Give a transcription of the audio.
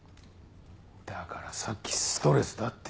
だからさっきストレスだって。